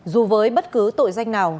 dù với bất cứ tội danh nào